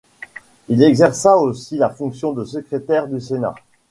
Il exerça aussi la fonction de secrétaire du Sénat.